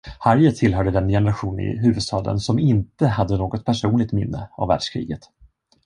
Harriet tillhörde den generation i huvudstaden som inte hade något personligt minne av världskriget.